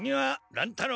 乱太郎！